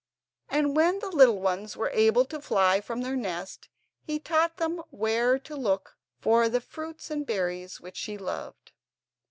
And when the little ones were able to fly from their nest he taught them where to look for the fruits and berries which she loved.